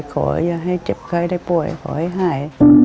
อย่าให้เจ็บไข้ได้ป่วยขอให้หาย